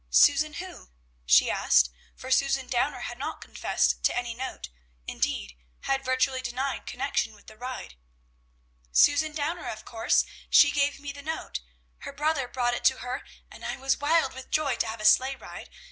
"Susan who?" she asked, for Susan Downer had not confessed to any note; indeed, had virtually denied connection with the ride. "Susan Downer, of course; she gave me the note. Her brother brought it to her, and I was wild with joy to have a sleigh ride.